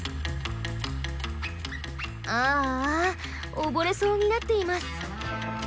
ああ溺れそうになっています。